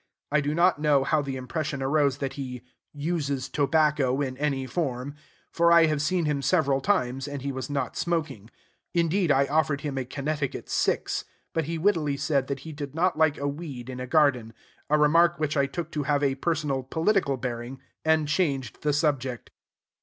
I do not know how the impression arose that he "uses tobacco in any form;" for I have seen him several times, and he was not smoking. Indeed, I offered him a Connecticut six; but he wittily said that he did not like a weed in a garden, a remark which I took to have a personal political bearing, and changed the subject.